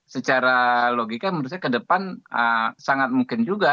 secara logika menurut saya ke depan sangat mungkin juga